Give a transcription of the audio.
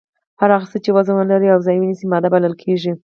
هر هغه څه چې وزن ولري او ځای ونیسي ماده بلل کیږي.